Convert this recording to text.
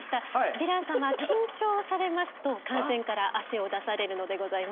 ヴィラン様緊張されますと汗腺から汗を出されるのでございます。